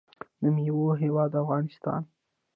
د میوو هیواد افغانستان.